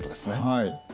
はい。